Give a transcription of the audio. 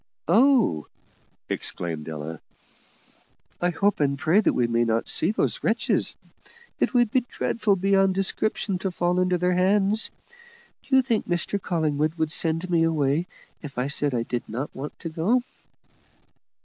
"Oh!" exclaimed Ella, "I hope and pray that we may not see those wretches; it would be dreadful beyond description to fall into their hands. Do you think Mr Collingwood would send me away if I said I did not want to go?"